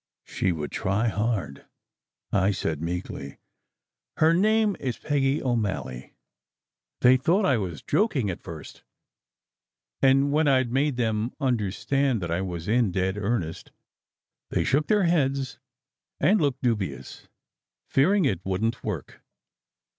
She would try hard," I said meekly. "Her name is Peggy O Malley." They thought I was joking at first; and when I d made them understand that I was in dead earnest, they shook their heads and looked dubious, fearing it "wouldn t work."